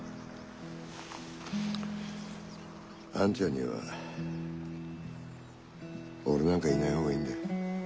アンちゃんには俺なんかいない方がいいんだ。